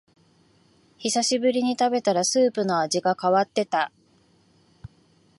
久しぶりに食べたらスープの味が変わってた